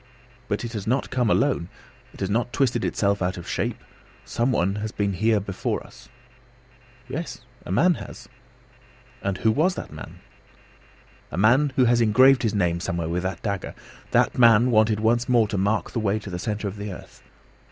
"But it has not come alone. It has not twisted itself out of shape; some one has been here before us! "Yes a man has." "And who was that man?" "A man who has engraved his name somewhere with that dagger. That man wanted once more to mark the way to the centre of the earth.